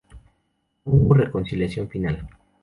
No hubo reconciliación final.